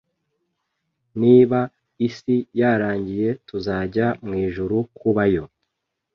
Niba isi yarangiye tuzajya mwijuru kubayo